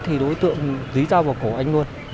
thì đối tượng dí ra vào cổ anh luôn